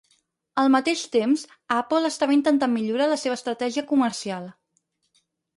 Al mateix temps, Apple estava intentant millorar la seva estratègia comercial.